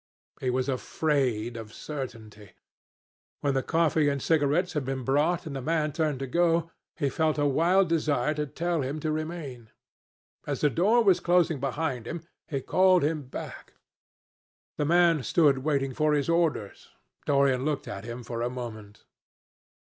He was afraid of certainty. When the coffee and cigarettes had been brought and the man turned to go, he felt a wild desire to tell him to remain. As the door was closing behind him, he called him back. The man stood waiting for his orders. Dorian looked at him for a moment.